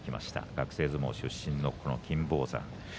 学生相撲出身、金峰山。